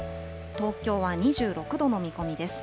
東京は２６度の見込みです。